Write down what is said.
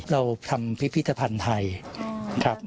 เราทำพิพิธภัณฑ์ไทยครับ